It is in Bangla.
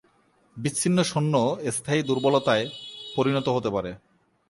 বিচ্ছিন্ন সৈন্য স্থায়ী দুর্বলতায় পরিণত হতে পারে।